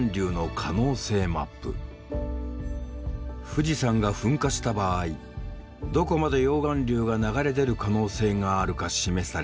富士山が噴火した場合どこまで溶岩流が流れ出る可能性があるか示されている。